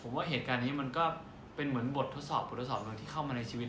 ผมว่าเหตุการณ์นี้มันก็เป็นเหมือนบททดสอบบทสอบหนึ่งที่เข้ามาในชีวิต